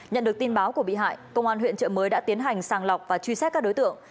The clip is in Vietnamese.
nhận được tin báo của bị hại công an huyện trợ mới đã tiến hành sàng lọc và truy xét các đối tượng